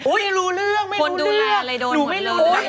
ผมไม่รู้เรื่อง